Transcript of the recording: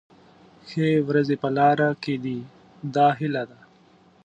ښې ورځې په لاره کې دي دا هیله ده.